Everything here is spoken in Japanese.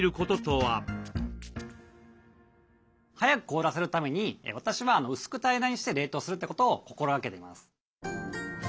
速く凍らせるために私は薄く平らにして冷凍するってことを心がけてます。